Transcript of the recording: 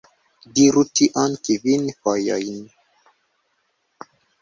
Diru tion kvin fojojn